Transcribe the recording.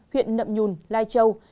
huyện nậm nhùn lai châu